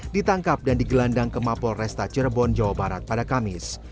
ditangkap dan digelandang ke mapol resta cirebon jawa barat pada kamis